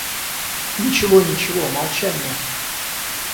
Ничего, ничего, молчание!